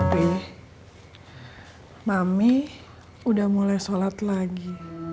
tapi mami udah mulai sholat lagi